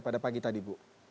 pada pagi tadi bu